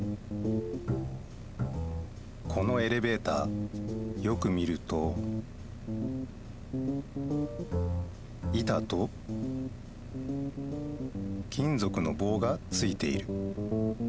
このエレベーターよく見ると板と金ぞくの棒がついている。